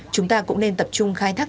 chúng ta cũng nên tập trung khai thác